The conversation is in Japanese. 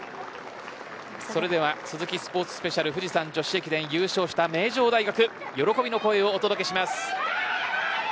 それではスズキスポーツスペシャル富士山女子駅伝優勝した名城大学喜びの声をお届けします。